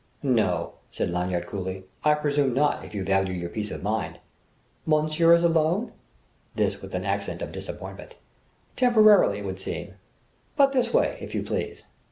"No," said Lanyard coolly, "I presume not, if you value your peace of mind." "Monsieur is alone?" This with an accent of disappointment. "Temporarily, it would seem so." "But this way, if you please...."